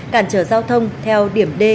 cản trở giao thông theo điểm d